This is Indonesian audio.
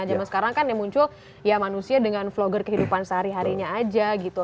zaman sekarang kan yang muncul ya manusia dengan vlogger kehidupan sehari harinya aja gitu